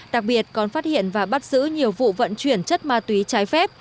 đặc biệt còn phát hiện và bắt giữ nhiều vụ vận chuyển chất ma túy trái phép